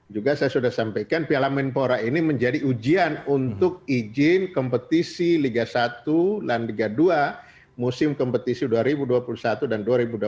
juga saya sudah sampaikan piala menpora ini menjadi ujian untuk izin kompetisi liga satu dan liga dua musim kompetisi dua ribu dua puluh satu dan dua ribu dua puluh satu